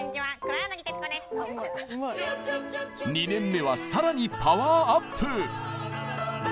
２年目はさらにパワーアップ！